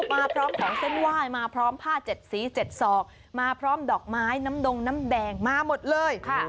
มาพร้อมของเส้นไหว้มาพร้อมผ้า๗สี๗ศอกมาพร้อมดอกไม้น้ำดงน้ำแดงมาหมดเลย